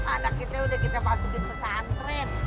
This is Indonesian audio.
anak kita udah kita masukin pesantren